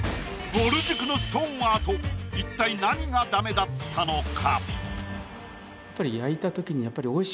ぼる塾のストーンアート一体何がダメだったのか？